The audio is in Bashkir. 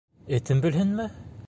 Этем белһенме?